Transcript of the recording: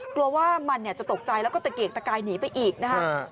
กลัวว่ามันจะตกใจแล้วก็ตะเกียกตะกายหนีไปอีกนะคะ